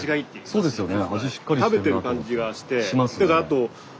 ああそうですよね。